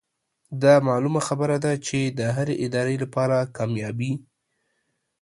دا معلومه خبره ده چې د هرې ادارې لپاره کاميابي